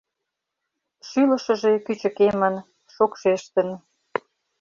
Шӱлышыжӧ кӱчыкемын, шокшештын.